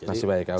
masih baik ya oke